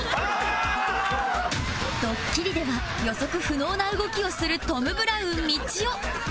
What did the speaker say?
ドッキリでは予測不能な動きをするトム・ブラウンみちお